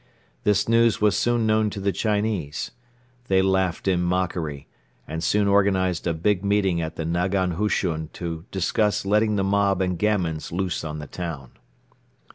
This news was soon known to the Chinese. They laughed in mockery and soon organized a big meeting at the nagan hushun to discuss letting the mob and gamins loose on the town.